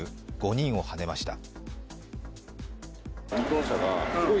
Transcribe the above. ５人をはねました。